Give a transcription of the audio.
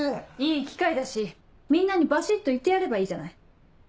いい機会だしみんなにバシっと言ってやればいいじゃない。